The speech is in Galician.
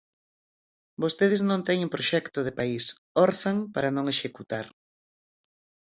Vostedes non teñen proxecto de país, orzan para non executar.